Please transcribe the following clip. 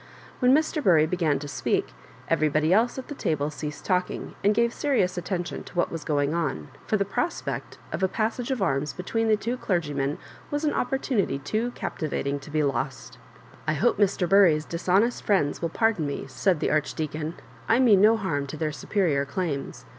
When Mr. Bury began to speak, everjrbody else at the table ceased talkmg, and gave serious at tention to what was going on, for the prospect of a passage of arms between the two clergymen was an opportunity too captivating to be lost *' I hope Mr. Biiry's dishonest friends will par don me," said the Archdeacon; "I mean no harm to their superior claims.